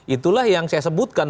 itulah yang saya sebutkan